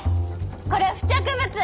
これ付着物。